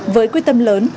với quy tâm lớn